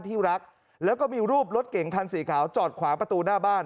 ที่รักแล้วก็มีรูปรถเก่งคันสีขาวจอดขวางประตูหน้าบ้าน